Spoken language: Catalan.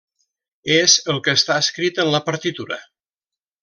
És el que està escrit en la partitura.